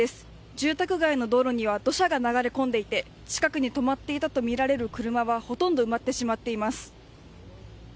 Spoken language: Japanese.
住宅街の道路には土砂が流れ込んでいて近くに止まっていたとみられる車はほとんど埋まってしまっています。